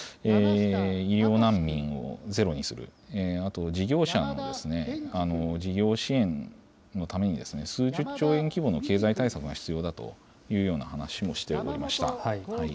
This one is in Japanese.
医療難民をゼロにする、あと事業者の事業支援のために、数十兆円規模の経済対策が必要だというような話もしておりました。